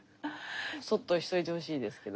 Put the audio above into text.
そっとしておいてほしいですけど。